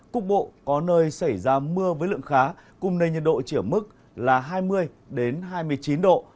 cục bộ có nơi xảy ra mưa với lượng khá cùng nền nhiệt độ chỉ ở mức là hai mươi hai mươi chín độ